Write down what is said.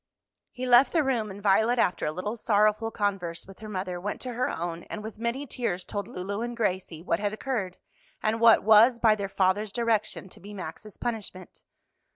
He left the room, and Violet, after a little sorrowful converse with her mother, went to her own, and with many tears told Lulu and Gracie what had occurred, and what was, by their father's direction, to be Max's punishment.